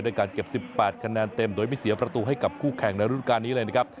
การเก็บ๑๘คะแนนเต็มโดยไม่เสียประตูให้กับคู่แข่งในรุ่นการนี้เลยนะครับ